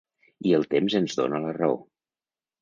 I el temps ens dóna la raó.